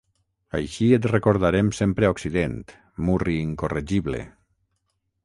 Així et recordarem sempre a Occident, murri incorregible.